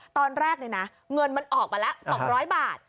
ตอนแรกเนี่ยนะเงินมันออกมาแล้ว๒๐๐บาท